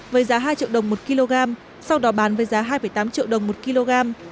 với giá hai triệu đồng một kg sau đó bán với giá hai tám triệu đồng một kg